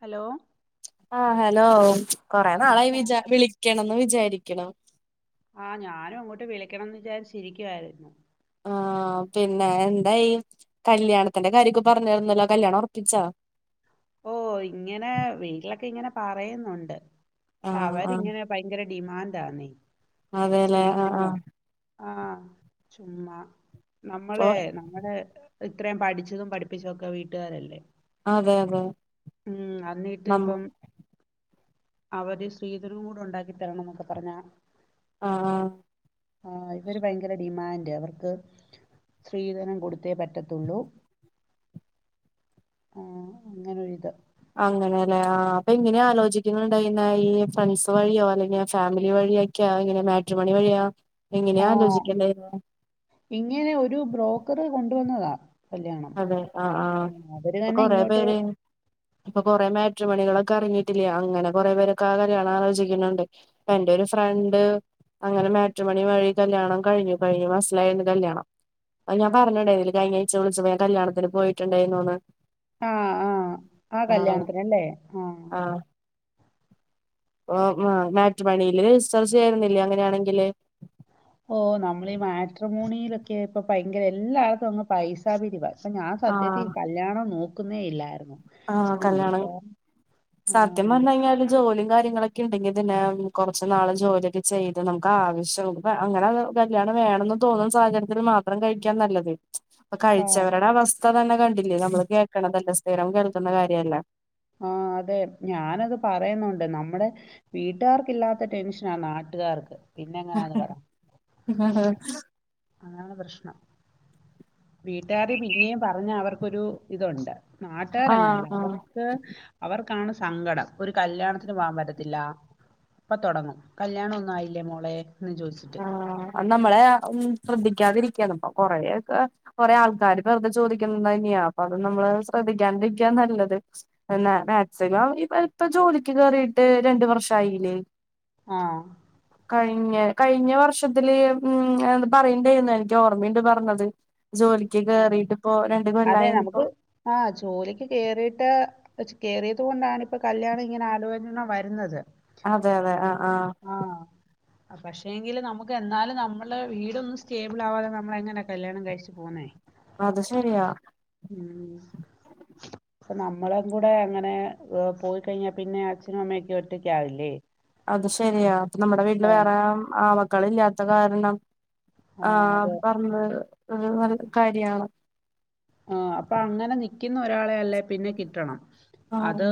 Hello ആഹ് hello കൊറേ ആഹ് നാളായി പറ വിചാ വിളിക്കണംന്ന് വിചാരിക്കണു ആഹ് ഞാനും അങ്ങോട്ട് വിളിക്കണന്ന് വച്ച് ഇരിക്കുവായിരുന്നു ആഹ് പിന്നെ എന്തായി കല്യാണത്തിന്റെ കാര്യക്കെ പറഞ്ഞാരുന്നല്ലോ കല്യാണം ഉറപ്പിച്ചോ ഓഹ് ഇങ്ങനെ വീട്ടിലൊക്കെ ഇങ്ങനെ പറയുന്നുണ്ട് പക്ഷെ ആഹ് ആഹ് അവരിങ്ങനെ ഭയങ്കര ഡിമാൻടാന്നേ അതെല്ലേ ആഹ് സ്രീധനോം ആഹ് ആഹ് ചുമ്മാ അപ്പൊ നമ്മളെ നമ് നമ്മളെ ഇത്രയും പഠിച്ചതും പഠിപ്പിച്ചതൊക്കെ വീട്ടുകാരല്ലേ അതെ അതെ ഉം അന്നിട്ട് നമ്മ ഇപ്പം അവര് സ്ത്രീധനം കൂടെ ഉണ്ടാക്കിത്തരണം എന്നൊക്കെ പറഞ്ഞാ ആഹ് ആഹ് ഇവര് ഭയങ്കര ഡിമാന്റ് അവർക്ക് സ്ത്രീധനം കൊടുത്തേ പറ്റത്തുള്ളൂ ആഹ് അങ്ങനൊരിത് അങ്ങനെല്ലെ ആ അപ്പൊ ഇങ്ങനെ ആലോചിക്കുന്നുണ്ടായിരുന്ന ഈ ഫ്രണ്ട്സ് വഴിയോ അല്ലെങ്കിൽ ഫാമിലി വഴിയോ എങ്ങനെ മാട്രിമോണി വഴിയാ എങ്ങനെയാ ആഹ് ആലോചിക്കണ്ടത് ഇങ്ങനെ ഒരു ബ്രോക്കറ് കൊണ്ടുവന്നതാ കല്യാണം അതെ ആഹ് ആഹ് അവര് തന്നെ ഇങ്ങോട്ട് പേര് ഇപ്പൊ കൊറേ മാട്രിമണികളൊക്കെ ഇറങ്ങിയിട്ടില്ലേ അങ്ങനെ കൊറേ പേരൊക്കെ ആ കല്യാണം ആലോചിക്കുന്നുണ്ട് എന്റെ ഒരു ഫ്രണ്ട് അങ്ങനെ മാട്രിമണി വഴി കല്യാണം കഴിഞ്ഞു കഴിഞ്ഞു മാസ്സിലായിരുന്നു കല്യാണം ഞാൻ പറഞ്ഞുണ്ടായിരുന്നില്ലേ കഴിഞ്ഞാഴ്ച വിളിച്ചപ്പോൾ ഞാൻ കല്യാണത്തിന് പോയിട്ടുണ്ടായിരുന്നുന്ന് ആഹ് ആഹ് ആ ആണോ കല്യാണത്തിനല്ലേ ആഹ് ഓഹ് ആഹ് മാട്രിമോണിയില് സെർച്ച്‌ ചെയ്യായിരുന്നില്ലേ അങ്ങനെയാണങ്കില് ഓഹ് നമ്മളീ ഈ മാട്രിമോണിയിലൊക്കെ ഇപ്പ ഭയങ്കര എല്ലായിടത്തും അങ്ങ് പൈസാ പിരിവാ ഇപ്പം ഞാൻ സത്യത്തിൽ ആഹ് ഈ കല്യാണം നോക്കുന്നേ ഇല്ലായിരുന്നു ആഹ് പിന്നെ കല്യാണം വീട്ടുകാർ ആ സത്യം പറഞ്ഞ് അന്നേരം കഴിഞ്ഞാല് ജോലിയും കാര്യങ്ങളൊക്കെ ഉണ്ടെങ്കിൽ തന്നെ കുറച്ചു നാള് ജോലിയൊക്കെ ചെയ്ത് നമുക്ക് ആവശ്യം അങ്ങനെ കല്യാണം വേണന്ന് തോന്നുന്ന സാഹചര്യത്തിൽ മാത്രം കഴിക്കാൻ നല്ലത് അപ്പൊ ആ കഴിച്ചവരുടെ അവസ്ഥ തന്നെ കണ്ടില്ലേ നമ്മള് കേൾക്കണതല്ലേ സ്ഥിരം കേൾക്കുന്ന കാര്യല്ലേ ആഹ് അതെ ഞാനത് പറയുന്നുണ്ട് നമ്മടെ വീട്ടുകാർക്ക് ഇല്ലാത്ത ടെൻഷനാ നാട്ടുകാർക്ക് പിന്നെങ്ങനാന്ന് പറ. ഉ ഉ [inaudible] അതാണ് പ്രശ്നം വീട്ടുകാര് പിന്നെയും പറഞ്ഞ അവർക്കൊരു ഇതുണ്ട് നാട്ടുകാര് ആഹ് അങ്ങനല്ല ആഹ് അവർക്ക് അവർക്കാണ് സങ്കടം ഒരു കല്യാണത്തിന് പോകാൻ പറ്റത്തില്ല അപ്പൊ തൊടങ്ങും കല്യാണം ഒന്നും ആയില്ലേ മോളെ എന്ന് ചോദിച്ചിട്ട് ആഹ് നമ്മളെ ശ്രദ്ധിക്കാതിരിക്കണം പ്പൊ കൊറ ഒക്കെ കൊറെ ആൾക്കാര് വെറുതെ ചോദിക്കുന്നത് തന്നെയാ അപ്പൊ അത് നമ്മള് ശ്രദ്ധിക്കാണ്ടിരിക്ക നല്ലത് എന്നാ മാക്സിമം ഇപ്പ ജോലിക്ക് കേറിട്ട് രണ്ടു വർഷം ആയില്ലേ ആഹ് കഴിഞ്ഞ കഴിഞ്ഞ വർഷത്തില് ഉം എഹ് പറയണ്ടായിരുന്നു എനിക്ക് ഓർമ്മയുണ്ട് പറഞ്ഞത് ജോലി ക്ക് ആ, കേറിട്ട് ഇപ്പോ രണ്ടു കൊല്ലാ യി ഇപ്പോ ആഹ് ജോലിക്ക് കേറിയിട്ട് പ കേറിയത് കൊണ്ടാണ് ഇപ്പൊ കല്യാണം ഇങ്ങനെ ആലോചന വരുന്നത് അതെ അതെ ആ ആ ആഹ് പക്ഷെങ്കും നമുക്ക് എന്നാലും നമ്മളുടെ വീടന്ന സ്റ്റേബിൾ ആവാതെ നമ്മള എങ്ങനെയെക്കെ കല്യാണം കഴിച്ചച്ച് പോുന്നേ അത് ശെരിയാ ഉം [inaudible] അപ്പൊ നമ്മളും കൂടെ അങ്ങനെ പോയി കഴിഞ്ഞാൽ പിന്നെ അച്ഛനും അമ്മയൊക്കെ ഒറ്റയ്ക്ക ആവില്ലേ അത് ശരിയാ അപ്പ നമ്മുടെ വീട്ടില് വേറെ ആക്കൾ ഇല്ലാത്ത കാരണം ആഹ് ആഹ അതെ പറഞ്ഞത് നല്ല കാര്യാണ് ആ അപ്പൊ അങ്ങനെ നിക്കുന്ന ഒരാളെ അല്ലേ പിന്നെ കിട്ടണം ആ അത്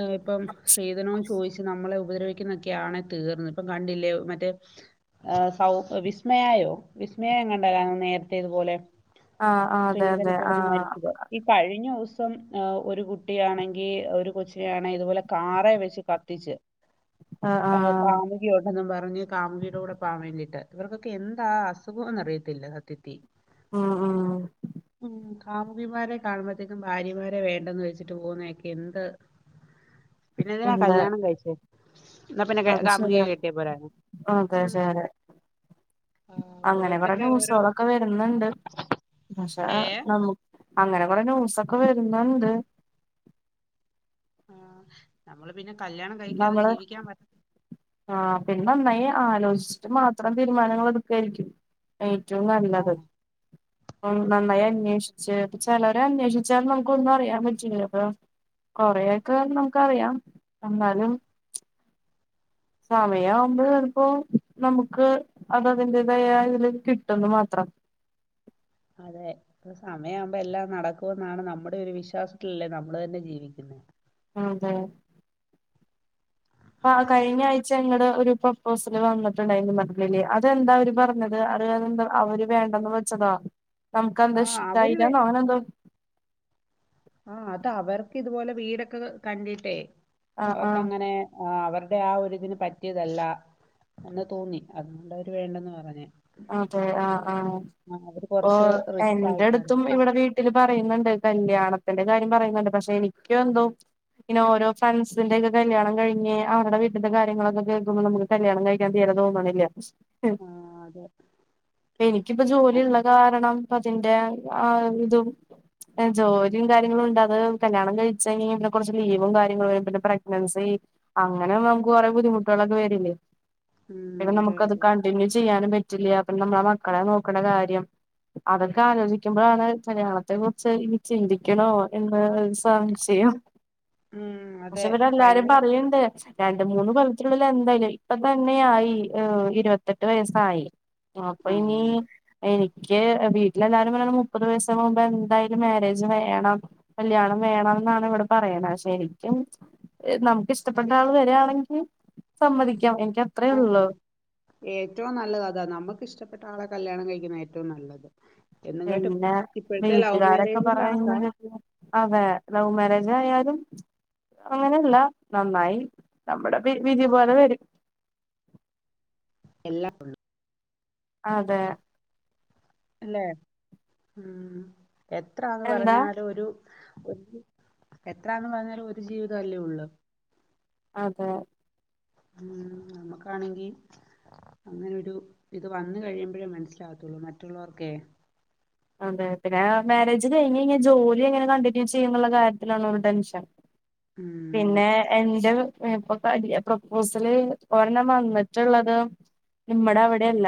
ആ ഇപ്പം സ്ത്രീധനവും ചോദിച്ച് നമ്മളെ ഉപദ്രവിക്കുന്നൊക്കെയ ആാണ് തീർന്നത് ഇപ്പം കണ്ടില്ലേ മറ്റേ ആ സൗ വിസ്മയായോ വിസ്മയം എങ്ങണ്ട നേരത്തെ ഇതുപോലെ ആ ആ അതെ അതെ ആ സ്ത്രീധനപീഡനം മരിച്ചത് ഈ കഴിഞ്ഞ ദിവസം ഒരു കുട്ടിയാണെങ്കിൽ ഒരു കൊച്ചിനൊണെങ്ക ഇതുപോലെ കാറ വെച്ച് കത്തിച്ച് ആ ആ താമ യോട്ടൊന്നും പറഞ്ഞ് കാമുകിയുടെ കൂടെ പോാൻ വേണ്ടിയിട്ട് ഇവർക്കൊെ എന്താ അസുഖംന്ന് അറിയത്തില്ല സത്യത്തി ഉം ഉം ഉ കാമുകിമാരെ കാണുമ്പോഴത്തേക്കും ഭാര്യമാരെ വേണ്ടന്ന് വെച്ചിട്ട് പോുന്നൊക്കെ എന്ത് [inaudible] പിന്നെ എന്തിനാ അതെ കല്യാണം കഴിച്ചേ എന്നാ പിന്നെ കാമുകിയെ കെട്ടിയ പോരാണ് ക്കെ ശ ആ, അങ്ങനെ പറഞ്ഞ ഓരോരുത്തരുടെ ഓരോ ന്യൂസ്കളൊക്കെ വ വണ്ട് പക്ഷെ ഏ അങ്ങനെ കുറ ന്യൂസൊക്കെ വരുന്നുണ്ട് ആ നമ്മള് പിന്നെ കല്യാണം കഴിക്കാറ് ജീവിക്കാൻ പറ്റ ആഹ പിന്നെ നന്നായി ആലോചിച്ചിട്ട് മാത്രം തീരുമാനങ്ങൾ എടുക്കായിരിക്കും ഏറ്റവും ആ, നല്ലത് നന്നായി അ- അന്വേഷിച്ച് അപ്പ ചിലരെ അന്വേഷിച്ചാലും നമുക്ക് ഒന്നും അറിയാൻ പറ്റില്ല അപ്പൊ കൊറെയൊക്കെന്ന് നമുക്ക്റിയാം എന്നാലും സമയവുമ്പോൾ ചിലപ്പോ നമുക്ക് അത അതിന്റേതായ ഇതില് കിട്ടന്ന് മാത്രം അതെ സമയ ആവുമ്പോ എല്ലാം നടക്കും എന്നാണ് നമ്മുടെ ഒരു വിശ്വാസത്തിലല്ലേ നമ്മള് തന്നെ ജീവിക്കുന്ന അതെ അ കഴിഞ്ഞ ആഴ്ച ഞങ്ങള്ൾ ഒരുപ്പം ഹസിൽ വന്നിട്ടുണ്ടായിരുന്നു മഡലേ അതെന്താ അവര് പറഞ്ഞത് അര് എന്താ അവര് വേണ്ടെന്ന് വെച്ചതാ നമുക്ക് എന്താ ആ അവര് വേ- ഇഷ്ടായില്ലന്നോ അങ്ങനെന്തോ ആ അത് അവർക്ക് ഇതുപോലെ വീടൊക്കെ കണ്ടിട്ടേ ആഹ് അവർക്ക് ആഹ് അങ്ങനെ ആ അവരുടെ ആ ഒ ഇതിന് പറ്റിയതല്ല എന്ന് തോന്നി അതുകൊണ്ട അവര് വേണ്ടെന്ന് പറഞ്ഞേ അതെ ആ് ആഹ് അപ്പ കുറച്ച് റിച്ച് എന്റെ ആൾക്കാരാ അടുത്തും ആ, ഇവിടെ വീ വട്ട പറയുന്നുണ്ട് കല്യാണത്തിന്റെ കാര്യം പറയുന്നുണ്ട് പക്ഷെ എനിക്ക എന്തോ പിന്നെഓര ഫ്രണ്ട്സിന്റെറെ ഒക്കെ കല്യാണം കഴിഞ് അവരുടെ വീട്ടന്റെ കാര്ങ്ങളൊക്കെ കേൾക്കുമ്പോ നുക്ക് കല്യാണം കഴിക്കാൻ തീര തോന്നണില്ല ആഹ അതെ എനിക്കിപ്പ ജോലിള്ള അ- കാരണം അതിന്റെ ആ ഇതും ജോലിയും കാര്യങ്ങളും ഉണ്ട് അത് കല്യാണം കഴിചാ ഇനി കുറച്ച് ലീവും കാര്യങ്ങളും വരും പിന്നെ പ്രഗ്നൻസി അങ്ങനെ നമുക്ക് കുറേ ബുദ്ധിമുട്ടുകളൊക്കെ വരില്ലേ ഉം, പിന്നെ അതെ നമുക്ക്ത് അതെ കണ്ടിന്യൂ ചെയ്യാനും പറ്റ പറ്റില്ല അപ്പൊ നമ്മളെ മക്കളെ നോക്കണ കാര്യം അതൊക്കെ ആലോചിക്കുമ്പോഴാണ് കല്യാണത്തെ കുറിച്ച് ഇനി ചിന്തിക്കണോ എന്ന സംശയം ഉം, അതെ പക്ഷെ ഇടെ എല്ലാരും ഭയങ്കര പറയണ്ട് രണ്ട്‌ മൂന്ന് കൊല്ലത്തിലുള്ളിൽ എന്തായാലും ഇപ്പ തന്നെ യായി ഇരുപത്തെട്ട് വയസ്സായി അപ്പൊ ആ ഇനി എനിക്ക് വീട്ടിലെല്ലാരും പറഞ്ഞ മുപ്പത് വയസന് മുമ്പ് എന്തായാലും മാരേജ് വേണം കല്യാണം വേണം എന്നാണ് ഇവിടെ പറയണ ശരിക്കും നമുക്ക് ഇഷ്ടപ്പെട്ട ആൾ വരാണെങ്കിൽ സമ്മതിക്കാം എനിക്ക് അത്രേ ആ ഉള്ളു ഏറ്റവും നല്ലത് അതാണ് നമ്മുക്ക് ഇഷ്ടപ്പെട്ട ആളെ കല്യാണം കഴിക്കുന്ന ഏറ്റവും നല്ലത് എന്നും കേട്ട് പിന്നെ ഇപ്പോഴത്തെ ലവ് മാരേജും കണക്കാം അതേ ലവ് മാരേജ് ആയാലും അങ്ങനെയല്ല നന്നായി നമ്മുടെ വി വിധി പോലെ വരും എല്ലാം ഉണ്ട് അതെ അല്ലേ ഉം എത്രാന്ന് എന്താ പറഞ്ഞാലും ഒരു എത്രാന്ന് പറഞ്ഞാലും ഒരു ജീവിത അല്ലേ ഉള്ളൂ അതെ ഉം നമ്മുക്കാണെങ്കി അങ്ങനെ ഒരു ഇത് വന്ന്‌ കഴിയുമ്പഴേ മനസ്സിലാവത്തുള്ളൂ മറ്റുള്ളവർക്കേ അതെ പിന്നെ മാരേജ് കഴിഞ് കഴിഞ ജോലി എങ്ങനെ കണ്ടിന്യൂ ചെയ്യും എന്നുള്ള കാര്യത്തിലാണ് ഒരു ടെൻഷൻ ഉം പിന്നെ എന്റെ ഇപ്പൊ ക പ്രപ്പോസല് ഒരെണ്ണം വന്നിട്ടുള്ളത് മ്മടെ അവടെ അല്ല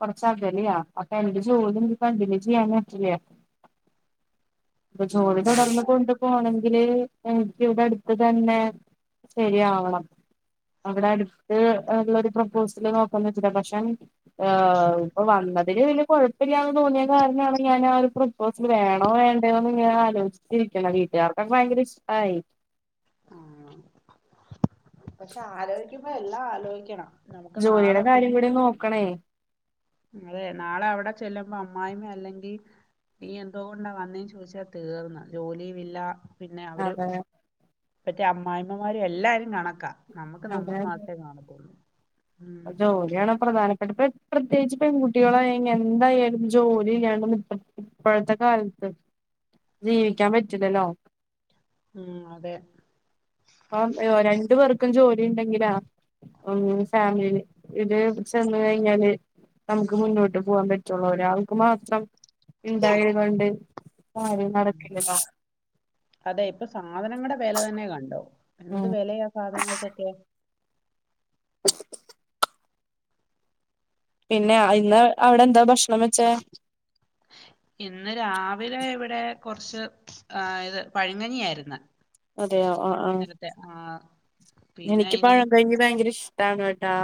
കൊറച്ചകലയ അപ്പൊ എനിക്ക് ജോലി കണ്ടിന്യൂ ചെയ്യാൻ പറ്റില്ല ഇപ്പൊ ജോലി ഉം തുടർന്ന് കൊണ്ടു പോണമെങ്കില് ഇവിടെ അടുത്ത് തന്നെ ശരിയാവണം അവിടെ അടുത്ത് ഉള്ള ഒരു പ്രൊപ്പോസല് നോക്കണം വെച്ചിട്ട പക്ഷെ ഇപ്പൊ വന്നതിന് വല്യ കുഴപ്പല്ല്യാന്ന് തോന്നിയ കാരണാണ് ഞാൻ ആ ഒരു സിൽ വേണോ വേണ്ടയോ എന്ന് ഞാൻ ആലോചിച്ചിരിക്കണ വീട്ടുകാർക്കൊക്കെ ഭയങ്കര ഇഷ്ട്ടായി ആഹ് പക്ഷെ ആലോചിക്കുമ്പോ എല്ലാം ആലോചിക്കണം നമുക്ക് ജോലിയുടെ നാളെ കാര്യം കൂടി നോക്കണേ അതെ നാളെ അവിടെ ചെല്ലുമ്പോ അമ്മായിമ അല്ലെങ്കിൽ നീ എന്തോ കൊണ്ടാ വന്നേ ചോദിച്ചാ തീർന്ന്‌ ജോലിയു ഇല്ല പിന്നെ അവര് അതെ മറ്റേ അമ്മായിമ്മമാരും എല്ലാരും കണക്കാ നമുക്ക് നമ്മൾ മാത്രേ കാണത്തുള്ളൂ ഉം പ്പൊ ജോലിയാണ് പ്രധാനപ്പെട്ട പ്രത്യേകിച്ച് പെൺകുട്ടികളായ എന്തായാലും ജോലി ഇല്ലാണ്ട ഇ ഇപ്പോഴത്തെ കാലത്ത് ജീവിക്കാൻ പറ്റില്ലല്ലോ ഉം അതെ അപ്പ രണ്ടു പേർക്കും ജോലി ഉണ്ടെങ്കിലാ ഉ ഫാമിലിയില് ഇത് ചെന്ന് കഴിഞ്ഞാല് നമുക്ക് മുന്നോട്ട് പോകാൻ പറ്റുള്ള ഒരാരാൾക്ക് മാത്രം ഉണ്ടായത് കൊണ്ട് കാര്യം നടക്കില്ലല്ലോ അതെ ഇപ്പൊ സാധനങ്ങളുടെ വില തന്നെ കണ്ടോ എന്ത് ഉം വിലയാ സാധനങ്ങൾക്കൊക്കെ അ പിന്നെ ഇന്ന് അവിടെ എന്താ ഭക്ഷണം വെച്ചേ ഇന്ന് രാവിലെ ഇവിടെ കുറച്ച് ആ ഇത് പഴം കഞ്ഞിയായിരുന്ന്‌ അതെയോ ആഹ് ആഹ് പിന്നെ എനിക്ക് ഇനി പഴം കഴിഞ്ഞി ഭയങ്കര ഇഷ്ട ട്ടാണോ ട്ടാ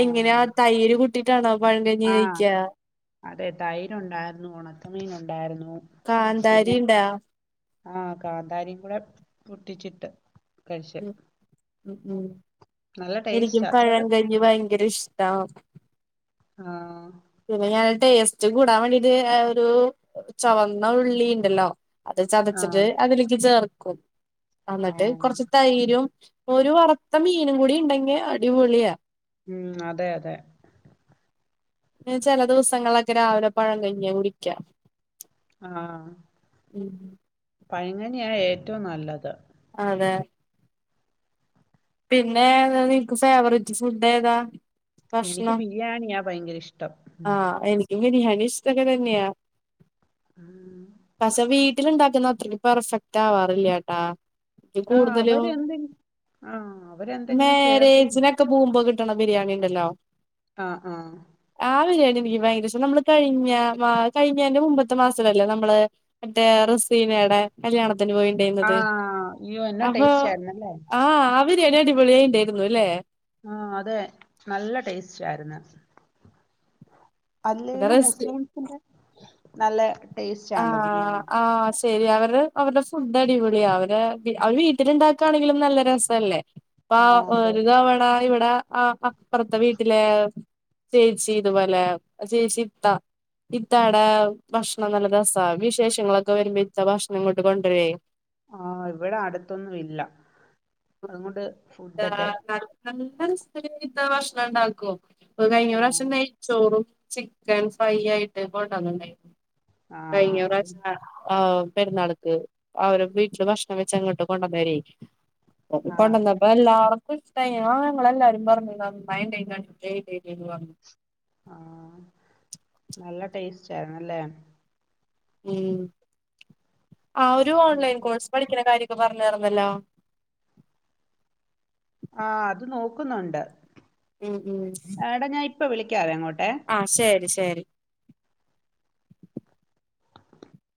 ആ എങ്ങനെയാ തൈര് കൂട്ടിട്ടാണോ പഴങ്കഞ്ഞി ആ, കഴിക്യാ അതെ തൈര് ഒണ്ടാരുന്നു ഒണക്കമീൻ ഒണ്ടായിരുന്നു കാന്താരി ണ്ടാ ആ കാന്താരീം കൂടെ പൊട്ടിച്ചിട്ട് കഴിച്ച് ഉം ഉം ഉം നല്ല എനിക്കും ടേസ്റ്റാ ചില പഴങ്കഞ്ഞി ഭയങ്കര ഇഷ്ടാ ആഹ് പിന്നെ ഞാൻ ടേസ്റ്റ് കൂടാവേണ്ടീട്ട് ഒരു ചൊവന്ന ഉള്ളി ഒണ്ടല്ലോ അത് ആ ചതച്ചിട്ട് അതിലേക്ക് ചേർക്കും ആ അന്നെട്ട് കൊറച്ച് തൈരും ഒരു വറുത്ത മീനും കൂടി ഒണ്ടെങ്കി അടിപൊളിയാ ഉം അതെ അതെ ഞാൻ ചെല ദിവസങ്ങളക്കെ രാവിലെ പഴങ്കഞ്ഞിയാ കുടിക്കാ ആഹ് ഉം പഴങ്കഞ്ഞിയാ ഏറ്റോം നല്ലത് അതെ പിന്നെ [unintelligible] നിക്ക് ഫേവറിറ്റ് ഫുഡേതാ? എനിക്ക് ബിരിയാണിയാ ഭയങ്കര ഇഷ് ആഹ് എനിക്കും ബിരിയാണി ഇഷ്ടൊക്കെതന്നെയാ ആഹ് പസ്സേ വീട്ടില്ണ്ടാക്കുന്ന അത്രക്ക് പെർഫെക്റ്റ് ആവാറില്യാട്ടാ ആഹ് അവരെന്തെങ്കി ആഹ് അവരെന്തെങ്കിലും ചേർക്കുന്നു ത്തു പൂമ്പോ കിട്ടണ ബിരിയാണി ഒണ്ടല്ലോ ആഹ് ആഹ് ആ ബിരിയാണിയെനിക്ക് ഭയങ്കര ഇഷ്ടം നമ്മള് കഴിഞ്ഞ വാ കഴിഞ്ഞന്റെ മുമ്പത്തെ മാസല്ലേ നമ്മള് മറ്റേ റെസീനേടെ കല്യാണത്തിന് പോയി ആ ണ്ടേന്നത് അയ്യോ എന്നാ അപ്പോ ടേസ്റ്റ് ആയിരുന്നല്ലേ ആഹ് ആ ബിരിയാണി അടിപൊളിയായിണ്ടാരുന്നുല്ലേ ആഹ് അതെ നല്ല ടേസ്റ്റാര്ന്ന് പിന്നെ അല്ലേലും റെസ്റ്റ് മുസ്ലിംസിന്റെ നല്ല ടേസ്റ്റാണല്ലോ ബിരിയാണി ശെരിയാ അവര് അവര്ടെ ഫുഡ് അടിപൊളിയാ അവര് പി അവര് വീട്ടില്ണ്ടാക്കാണെങ്കിലും നല്ല രസല്ലേ പ്പ ആ അതെ ഒരു തവണ ഇവിടെ ആഹ് അപ്പറത്തെ വീട്ടിലെ ചേച്ചി ഇതുപോലെ ചേച്ചി ഇത്ത ഇത്താടെ ഭക്ഷണം നല്ല രസാ വിശേഷങ്ങളൊക്കെ വരിമ്പ ഇത്ത ഭക്ഷണം ഇങ്ങോട്ട് കൊണ്ടരെ ആഹ് ഇവടെ അടുത്തൊന്നു ഇല്ല അതുംങ്ങൊണ്ട് ഇത്ത ഫുഡൊക്കെ നല്ല നല്ല രസായി ഇത്ത ഭക്ഷണം ഉണ്ടാക്കും ഇപ്പ കഴിഞ്ഞ ആ പ്രാശ്യം നെയ് ചോറും ചിക്കൻ ഫ്രൈയായിട്ട് കൊണ്ടോന്നോണ്ടായി ആ കഴിഞ്ഞ അതും പ്രാശ്യ ആഹ് പെരുന്നാള്ക്ക് അവരെ വീട്ടില് ഭക്ഷണം വെച്ച്ങ്ങോട്ട് കൊണ്ടന്നരേ ഒക്കോ ആ കൊണ്ടന്നപ്പ എല്ലാർ [unintelligible] ഇഷ്ടായി ആഹ് ഞങ്ങളെല്ലാരും പറഞ്ഞു നന്നായിണ്ടേ [unintelligible] ആഹ് നല്ല ടേസ്റ്റായിര്ന്നല്ലേ ഉം ആ ഒരു ഓൺലൈൻ കോഴ്സ് പഠിക്കണ കാര്യൊക്കെ പറഞ്ഞാര്ന്നല്ലോ ആഹ് അത് നോക്കുന്നൊണ്ട് ഉം ഉം എടാ ഞാ ഇപ്പോ വിളിക്കാവെ അങ്ങോട്ടെ ആഹ് ശെരി ശെരി